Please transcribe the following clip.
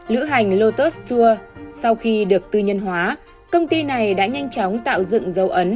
lữ hành lotus tour sau khi được tư nhân hóa công ty này đã nhanh chóng tạo dựng dấu ấn